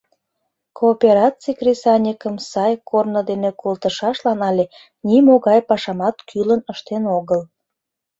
Коопераций кресаньыкым сай корно дене колтышашлан але нимогай пашамат кӱлын ыштен огыл.